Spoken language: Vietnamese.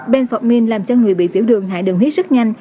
bênphortmin làm cho người bị tiểu đường hại đường huyết rất nhanh